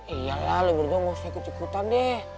iya lah lu berdua gak usah ikut ikutan deh